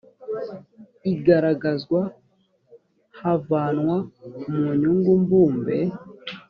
igaragazwa havanwa mu nyungu mbumbe